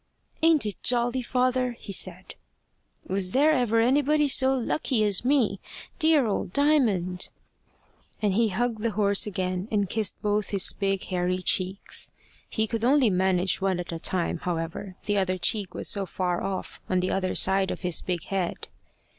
"Ain't it jolly, father?" he said. "Was there ever anybody so lucky as me? Dear old Diamond!" And he hugged the horse again, and kissed both his big hairy cheeks. He could only manage one at a time, however the other cheek was so far off on the other side of his big head.